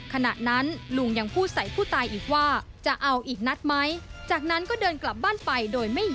ขณะนั้นลุงยังพูดใส่ผู้ตายอีกว่าจะเอาอีกนัดไหม